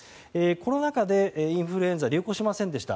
コロナ禍でインフルエンザが流行しませんでした。